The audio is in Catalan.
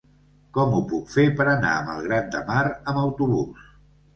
Com ho puc fer per anar a Malgrat de Mar amb autobús?